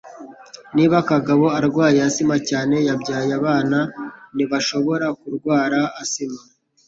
Niba Kagabo urwaye asima cyane, yabyaye abana, ntibashobora kurwara asima